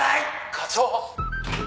「課長」